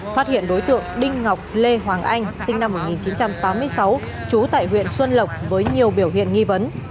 phát hiện đối tượng đinh ngọc lê hoàng anh sinh năm một nghìn chín trăm tám mươi sáu trú tại huyện xuân lộc với nhiều biểu hiện nghi vấn